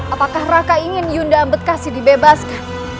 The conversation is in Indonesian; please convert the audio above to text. apakah raka ingin yunda bekasi dibebaskan